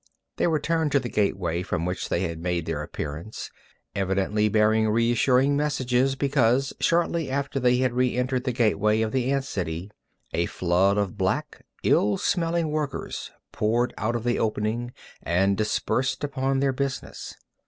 They returned to the gateway from which they had made their appearance, evidently bearing reassuring messages, because shortly after they had reëntered the gateway of the ant city, a flood of black, ill smelling workers poured out of the opening and dispersed upon their business.